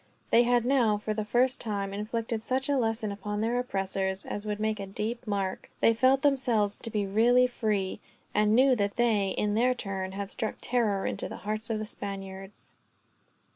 They had now, for the first time, inflicted such a lesson upon their oppressors as would make a deep mark. They felt themselves to be really free; and knew that they, in their turn, had struck terror into the hearts of the Spaniards.